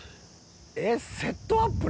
えっセットアップ